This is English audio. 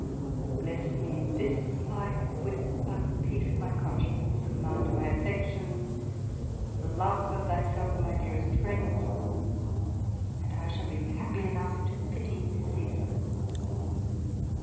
Bless me in this life with but peace of my Conscience, command of my affections, the love of thy self and my dearest friends, and I shall be happy enough to pity Cæsar.